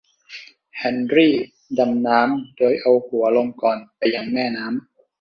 เฮนรี่ดำน้ำโดยเอาหัวลงก่อนไปยังแม่น้ำ